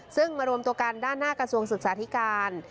ซึ่งมารวมตัวกันด้านหน้ากระทรวงศึกษาธิการ